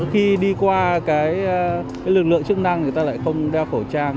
khi đi qua cái lực lượng chức năng người ta lại không đeo khẩu trang